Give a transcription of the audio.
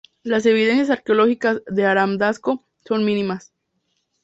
Las evidencias arqueológicas de Aram-Damasco son mínimas.